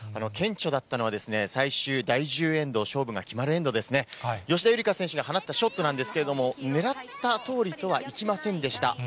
顕著だったのは、最終第１０エンド、勝負が決まるエンドですね、吉田夕梨花選手が放ったショットなんですけれども、狙ったとおりとはいきませんでした。